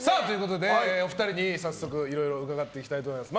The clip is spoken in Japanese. お二人に早速いろいろ伺っていきたいと思います。